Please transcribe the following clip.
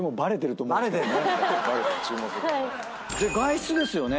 で外出ですよね。